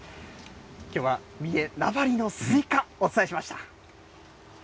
きょうは三重・名張のスイカ、お伝えしました。